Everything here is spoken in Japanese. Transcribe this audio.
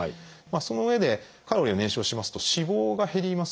そのうえでカロリーを燃焼しますと脂肪が減りますよね。